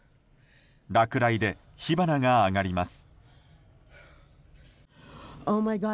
落雷で火花が上がります。